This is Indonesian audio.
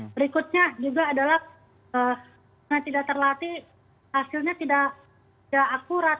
berikutnya juga adalah karena tidak terlatih hasilnya tidak akurat